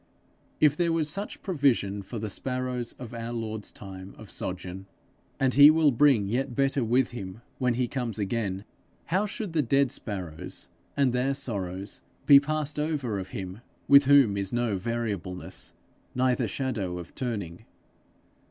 If there was such provision for the sparrows of our Lord's time of sojourn, and he will bring yet better with him when he comes again, how should the dead sparrows and their sorrows be passed over of him with whom is no variableness, neither shadow of turning?